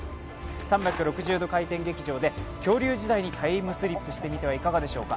３６０度回転劇場で恐竜時代にタイムスリップしてみてはどうでしょうか？